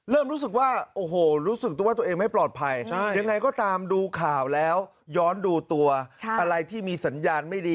เริ่มรู้สึกว่าโอ้โหรู้สึกตัวตัวเองไม่ปลอดภัย